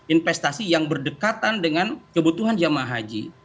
investasi yang berdekatan dengan kebutuhan jemaah haji